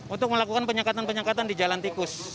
untuk melakukan penyekatan penyekatan di jalan tikus